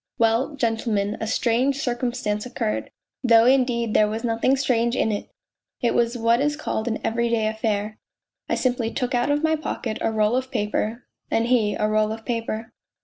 " Well, gentlemen, a strange circumstance occurred, though indeed there was nothing strange in it : it was what is called an everyday affair I simply took out of my pocket a roll of paper ... and he a roll of paper."